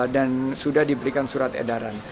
dan sudah diberikan surat edaran